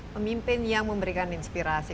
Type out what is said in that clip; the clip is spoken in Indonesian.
pemimpin yang memberikan inspirasi